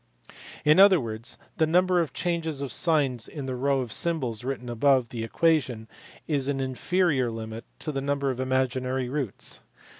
In other words the number of changes of signs in the row of symbols written above the equation is an inferior limit to the number of imaginary roots.